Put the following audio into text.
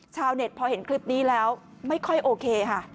ชาวเน็ตพอเห็นคลิปนี้แล้วไม่ค่อยโอเคค่ะ